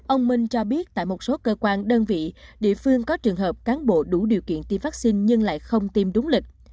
ông minh cho biết tại một số cơ quan đơn vị địa phương có trường hợp cán bộ đủ điều kiện tiêm vaccine nhưng lại không tiêm đúng lịch